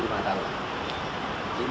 ini lebih dari lima tahun